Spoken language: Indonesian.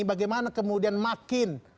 bagaimana kemudian makin